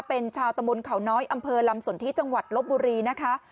เป็นชาวตะมนต์เขาน้อยอำเภอลำสนที่จังหวัดลบบุรีนะคะ